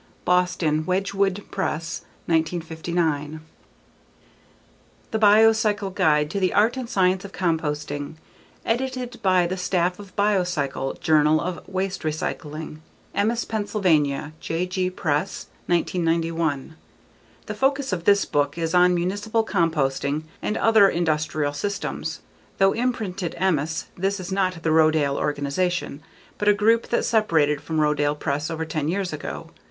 _ Boston: Wedgewood Press, 1959. The Biocycle Guide to the Art & Science of Composting. Edited by the Staff of Biocycle: Journal of Waste Recycling. Emmaus, Pennsylvania: J.G. Press, 1991. The focus of this book is on municipal composting and other industrial systems. Though imprinted "Emmaus" this is not the Rodale organization, but a group that separated from Rodale Press over ten years ago.